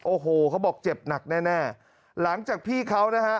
โอ้โหเขาบอกเจ็บหนักแน่หลังจากพี่เขานะฮะ